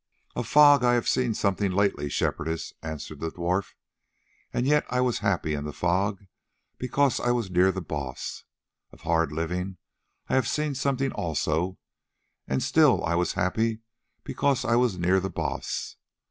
"Of fog I have seen something lately, Shepherdess," answered the dwarf; "and yet I was happy in the fog, because I was near the Baas. Of hard living I have seen something also, and still I was happy, because I was near the Baas.